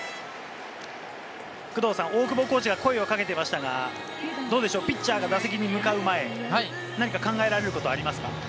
大久保コーチが声をかけていましたが、どうでしょう、ピッチャーが打席に向かう前、何か考えられることはありますか？